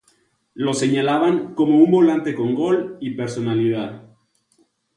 Lo señalaban como un volante con gol y personalidad.